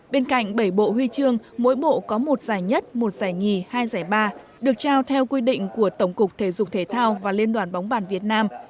bên cạnh bảy bộ huy chương mỗi bộ có một giải nhất một giải nhì hai giải ba được trao theo quy định của tổng cục thể dục thể thao và liên đoàn bóng bàn việt nam